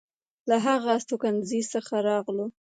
له هغه استوګنځي څخه راغلو.